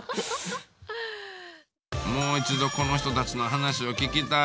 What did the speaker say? もう一度この人たちの話を聞きたい。